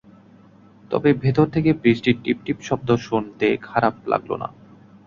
তবে ভেতর থেকে বৃষ্টির টিপ টিপ শব্দ শুনতে খারাপ লাগল না।